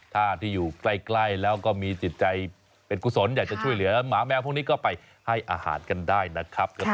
ถ้าที่อยู่ใกล้แล้วก็มีจิตใจเป็นกุศลอยากจะช่วยเหลือหมาแมวพวกนี้ก็ไปให้อาหารกันได้นะครับ